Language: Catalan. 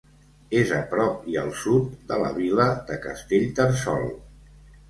És a prop i al sud de la vila de Castellterçol.